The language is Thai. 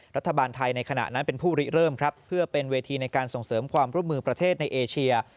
รัฐบาลไทยในขณะนั้นเป็นผู้ริเริ่มครับเพื่อเป็นเวทีในการส่งเสริมความร่วมมือประเทศในเอเชีย